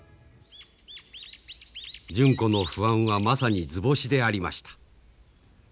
純子の不安はまさに図星でありました。